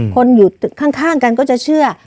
คนอยู่ข้างกันก็จะเชื่อ